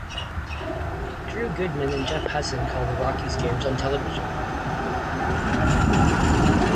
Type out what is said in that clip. Drew Goodman and Jeff Huson call the Rockies games on television.